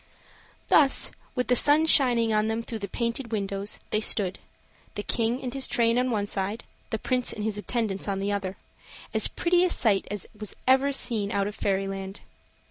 Thus, with the sun shining on them through the painted windows, they stood; the king and his train on one side, the Prince and his attendants on the other, as pretty a sight as ever was seen out of fairyland.